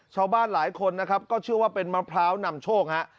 ชาวบ้านหลายคนนะครับก็เชื่อว่าเป็นมะพร้าวนำโชคฮะ